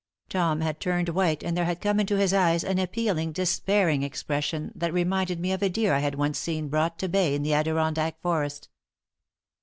Tom had turned white and there had come into his eyes an appealing, despairing expression that reminded me of a deer I had once seen brought to bay in the Adirondack forest.